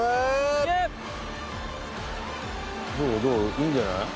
いいんじゃない？